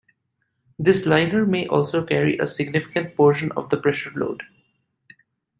This liner may also carry a significant portion of the pressure load.